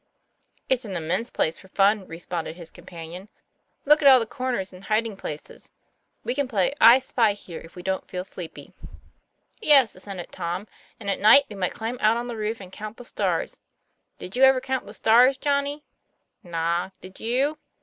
"It's an immense place for fun," responded his companion. "Look at all the corners and hiding places. We can play 'I spy' here, if we don't feel sleepy." "Yes," assented Tom, "and at night we might climb out on the roof and count the stars. Did you ever count the stars, Johnny ?" "Naw; did you?"